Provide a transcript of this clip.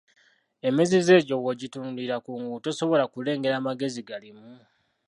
Emizizo egyo bw'ogitunulira kungulu tosobola kulengera magezi galimu.